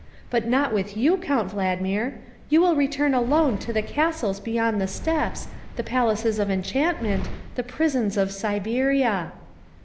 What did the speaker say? But not with you, Count Valdmir. You will return alone to the castles beyond the steppes, the pal aces of enchantment, the prisons of Siberia."